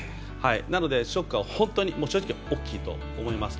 なのでショックは正直大きいと思います。